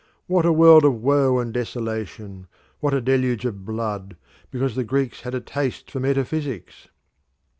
What a world of woe and desolation, what a deluge of blood, because the Greeks had a taste for metaphysics!